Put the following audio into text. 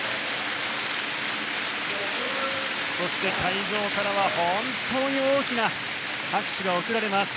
そして会場からは本当に大きな拍手が送られます。